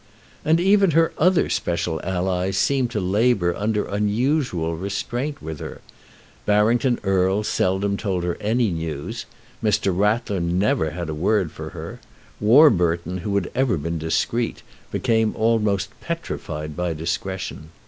And even her other special allies seemed to labour under unusual restraint with her. Barrington Erle seldom told her any news. Mr. Rattler never had a word for her. Warburton, who had ever been discreet, became almost petrified by discretion.